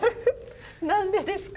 何でですか？